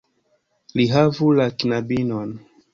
Li havu la knabinon."